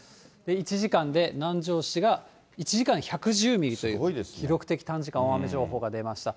１時間で、南城市が１時間に１１０ミリという記録的短時間大雨情報が出ました。